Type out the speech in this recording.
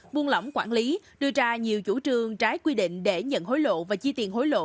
buôn lỏng quản lý đưa ra nhiều chủ trương trái quy định để nhận hối lộ và chi tiền hối lộ